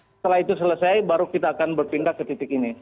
setelah itu selesai baru kita akan berpindah ke titik ini